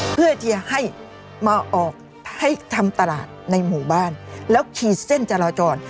เพื่อที่จะให้มาออกให้ทำตลาดในหมู่บ้านแล้วขีดเส้นจราจร